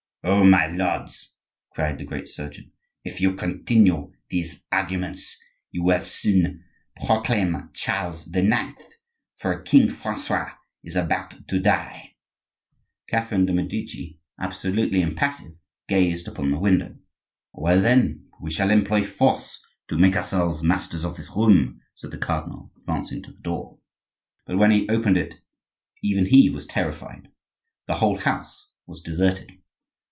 "Oh! my lords," cried the great surgeon; "if you continue these arguments you will soon proclaim Charles IX!—for king Francois is about to die." Catherine de' Medici, absolutely impassive, gazed from the window. "Well, then, we shall employ force to make ourselves masters of this room," said the cardinal, advancing to the door. But when he opened it even he was terrified; the whole house was deserted!